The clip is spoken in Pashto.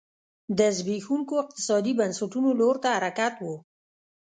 د زبېښونکو اقتصادي بنسټونو لور ته حرکت و